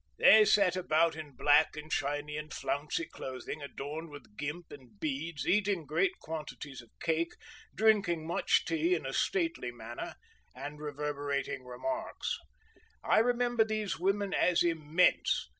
They sat about in black and shiny and flouncey clothing adorned with gimp and beads, eating great quantities of cake, drinking much tea in a stately manner and reverberating remarks. I remember these women as immense.